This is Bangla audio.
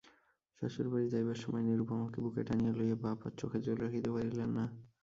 শ্বশুরবাড়ি যাইবার সময় নিরুপমাকে বুকে টানিয়া লইয়া বাপ আর চোখের জল রাখিতে পারিলেন না।